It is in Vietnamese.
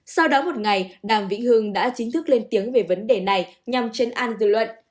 sau đó một ngày đàm vĩnh hương đã chính thức lên tiếng về vấn đề này nhằm chấn an dư luận